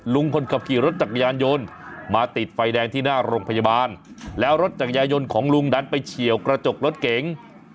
ลุงคนขับขี่รถจักรยานยนต์มาติดไฟแดงที่หน้าโรงพยาบาลแล้วรถจักรยายนของลุงดันไปเฉียวกระจกรถเก๋ง